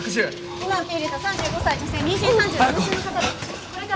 今受け入れた３５歳女性妊娠３７週の方です。